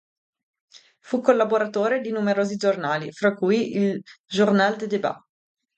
Fu collaboratore di numerosi giornali, fra cui il "Journal des débats".